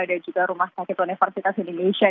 dan juga rumah sakit universitas indonesia